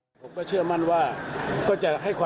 พตรพูดถึงเรื่องนี้ยังไงลองฟังกันหน่อยค่ะ